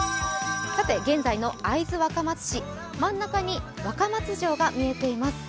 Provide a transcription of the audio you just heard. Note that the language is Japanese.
現在の会津若松市真ん中に若松城が見えています。